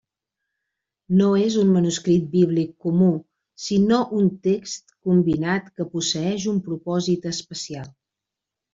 No és un manuscrit bíblic comú, sinó un text combinat que posseeix un propòsit especial.